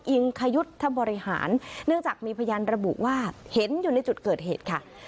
อิงคยุทธบริหารเนื่องจากมีพยานระบุว่าเห็นอยู่ในจุดเกิดเหตุค่ะ